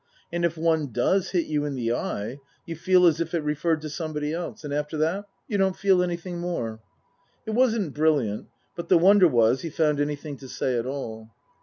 And if one does hit you in the eye you feel as if it referred to somebody else, and after that you don't feel anything more." It wasn't brilliant, but the wonder was he found anything to say at all.